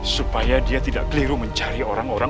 supaya dia tidak keliru mencari orang orang